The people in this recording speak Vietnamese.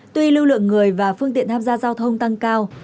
tuy lưu lượng người và phương tiện tham gia giao thông tăng cao